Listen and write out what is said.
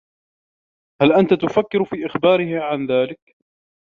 هل أنت تفكّر في إخباره عن ذلك؟